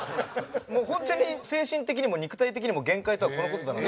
もうホントに精神的にも肉体的にも限界とはこの事だなと。